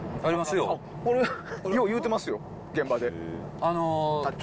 よう言うてますよ、現場で。